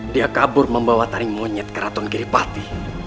dia kabur membawa taring monyet ke ratuan giripati